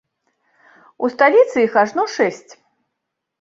У сталіцы іх ажно шэсць.